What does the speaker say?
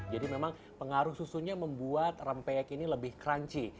jadi memang pengaruh susunya membuat rempeyek ini lebih crunchy